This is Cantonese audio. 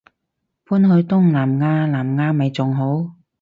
搬去東南亞南亞咪仲好